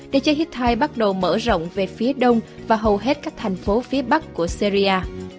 để cho hitti bắt đầu mở rộng về phía đông và hầu hết các thành phố phía bắc của syria